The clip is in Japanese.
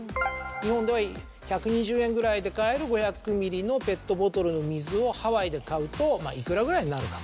日本では１２０円ぐらいで買える５００ミリのペットボトルの水をハワイで買うといくらぐらいになるのか。